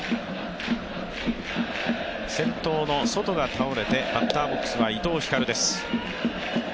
先頭のソトが倒れて、バッターボックスは伊藤光です。